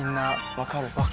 分かる？